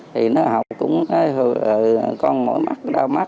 thì nó học cũng con mỏi mắt đau mắt